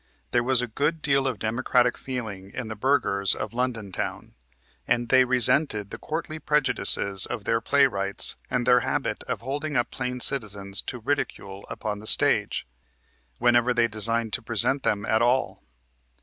There was a good deal of democratic feeling in the burghers of London town, and they resented the courtly prejudices of their playwrights and their habit of holding up plain citizens to ridicule upon the stage, whenever they deigned to present them at all.